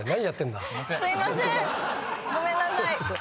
ごめんなさい。